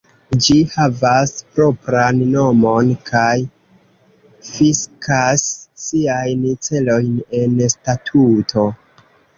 Ĝi havas propran nomon kaj fiksas siajn celojn en statuto.